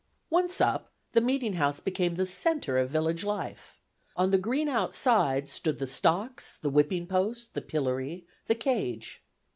Once up, the meeting house became the centre of village life. On the green outside stood the stocks, the whipping post, the pillory, the cage.